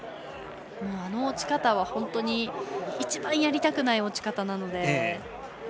あの落ち方は本当に一番やりたくない落ち方なので。